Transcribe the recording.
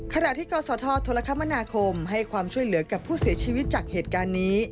ขณะที่กศธโทรคมนาคมให้ความช่วยเหลือกับผู้เสียชีวิตจากเหตุการณ์นี้